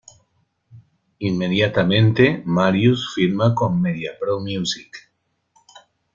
Inmediatamente Marius firma con MediaPro Music.